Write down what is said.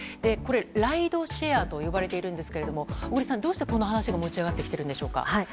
ライドシェアと呼ばれているんですけれども小栗さん、どうしてこの話が持ち上がってきているんでしょうか。